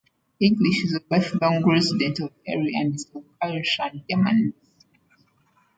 English is a lifelong resident of Erie and is of Irish and German descent.